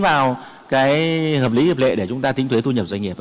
bao nhiêu hợp lý hợp lệ để chúng ta tính thuế thu nhập doanh nghiệp